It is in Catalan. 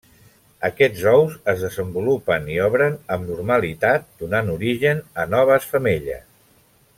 Aquests ous es desenvolupen i obren amb normalitat, donant origen a noves femelles.